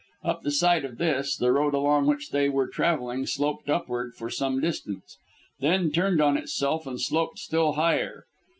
Up the side of this, the road along which they were travelling sloped upward for some distance, then turned on itself and sloped still higher.